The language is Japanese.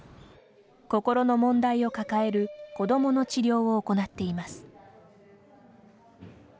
心の問題を抱える子どもの治療を行っています。